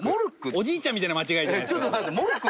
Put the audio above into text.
おじいちゃんみたいな間違いじゃないですか。